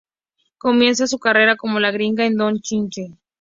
Comienza su carrera como "La Gringa" en "Don Chinche".